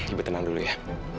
ibu tenang dulu ya